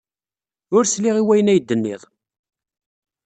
Ur sliɣ i wayen ay d-tenniḍ.